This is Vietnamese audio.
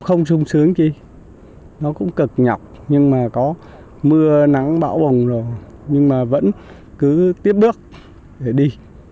nó không sung sướng kia nó cũng cực nhọc nhưng mà có mưa nắng bão bồng rồi nhưng mà vẫn cứ tiếp bước để đi